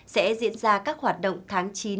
sẽ diễn ra các hoạt động tháng chín